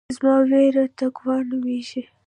زما وريره تقوا نوميږي.